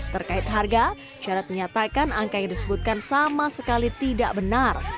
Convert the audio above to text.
terkait harga syarat menyatakan angka yang disebutkan sama sekali tidak benar